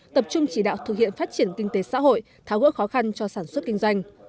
tập trung chỉ đạo thực hiện phát triển kinh tế xã hội tháo gỡ khó khăn cho sản xuất kinh doanh